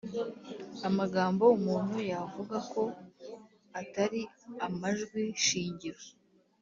amagambo. Umuntu yavuga ko atari amajwi shingiro